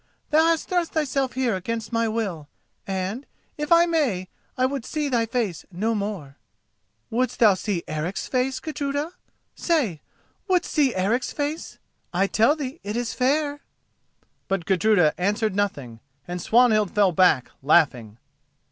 Thou hast thrust thyself here against my will and, if I may, I would see thy face no more." "Wouldst thou see Eric's face, Gudruda?—say, wouldst see Eric's face? I tell thee it is fair!" But Gudruda answered nothing, and Swanhild fell back, laughing.